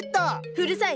うるさい！